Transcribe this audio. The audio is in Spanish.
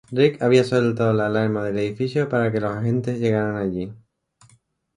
Rigg había soltado la alarma del edificio para que los agente llegaran allí.